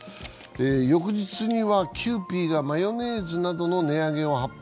翌日にはキユーピーがマヨネーズなどの値上げを発表。